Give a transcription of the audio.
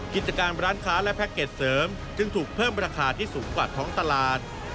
กิจการร้านค้าและแพ็กเกจเสริมจึงถูกเพิ่มราคาที่สูงกว่าท้องตลาด